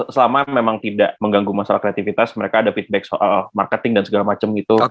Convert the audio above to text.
selama memang tidak mengganggu masalah kreativitas mereka ada feedback soal marketing dan segala macam gitu